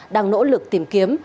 đang nỗ lực tìm kiếm